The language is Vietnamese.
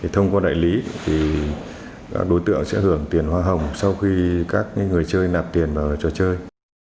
thông qua đại lý đối tượng sẽ hưởng tiền hoa hồng sau khi các người chơi nạp tiền vào trò chơi